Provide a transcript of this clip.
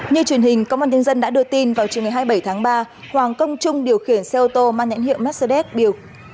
như truyền hình công an nhân dân đã đưa tin vào chiều ngày hai mươi bảy tháng ba hoàng công trung điều khiển xe ô tô mang nhãn hiệu mercedes bul